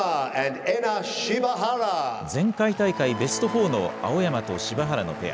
前回大会、ベストフォーの青山と柴原のペア。